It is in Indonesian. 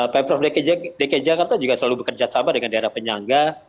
pemprov dki jakarta juga selalu bekerjasama dengan daerah penyangga